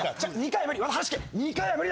２回は無理！